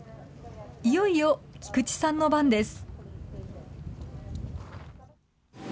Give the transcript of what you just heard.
いよいよ菊池さんの番です。